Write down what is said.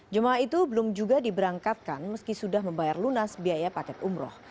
jemaah itu belum juga diberangkatkan meski sudah membayar lunas biaya paket umroh